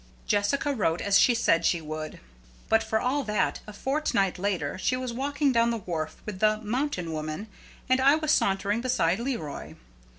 Jessica wrote, as she said she would; but, for all that, a fortnight later she was walking down the wharf with the "mountain woman," and I was sauntering beside Leroy.